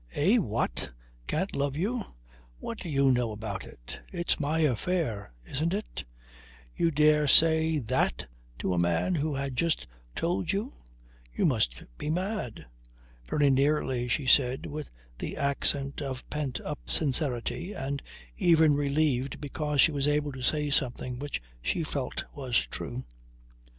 "Eh? What? Can't love you? What do you know about it? It's my affair, isn't it? You dare say that to a man who has just told you! You must be mad!" "Very nearly," she said with the accent of pent up sincerity, and even relieved because she was able to say something which she felt was true.